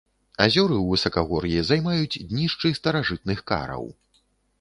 Азёры ў высакагор'і займаюць днішчы старажытных караў.